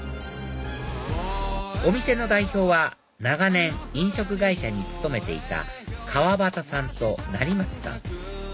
お店の代表は長年飲食会社に勤めていた川端さんと成松さん